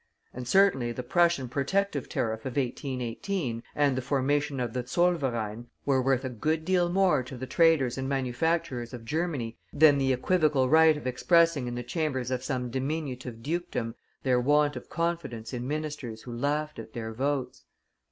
And certainly, the Prussian Protective Tariff of 1818, and the formation of the Zollverein, were worth a good deal more to the traders and manufacturers of Germany than the equivocal right of expressing in the chambers of some diminutive dukedom their want of confidence in ministers who laughed at their votes.